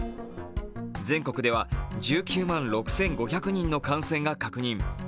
全国では１９万６５００人の感染が確認。